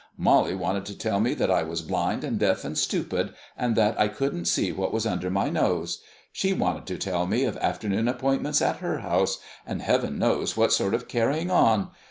"Molly wanted to tell me that I was blind and deaf and stupid, and that I couldn't see what was under my nose. She wanted to tell me of afternoon appointments at her house, and Heaven knows what sort of carrying on.